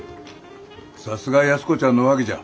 さすが安子ちゃんのおはぎじゃ。